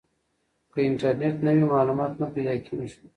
که انټرنیټ نه وي معلومات نه پیدا کیږي.